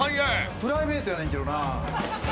プライベートやねんけどなあ。